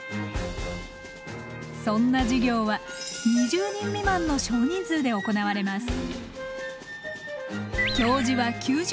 そんな授業は２０人未満の少人数で行われます。